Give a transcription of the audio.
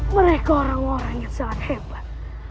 mereka orang orang yang sangat hebat